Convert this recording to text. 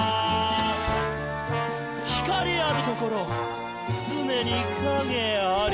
「光あるところ、つねに影あり！」